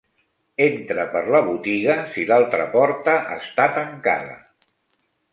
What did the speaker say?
Entra per la botiga si l'altra porta està tancada!